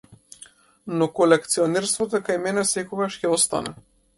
Но колекционерството кај мене засекогаш ќе остане.